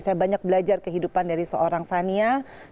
saya banyak belajar kehidupan dari seorang fania